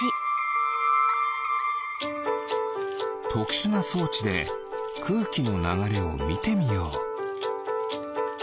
とくしゅなそうちでくうきのながれをみてみよう。